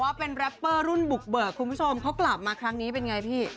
ว่าเป็นแรปเปอร์รุ่นบุกเบิกคุณผู้ชมเขากลับมาครั้งนี้เป็นไงพี่